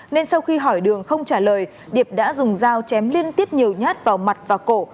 nên sau khi hỏi đường không trả lời điệp đã dùng dao chém liên tiếp nhiều nhát vào mặt và cổ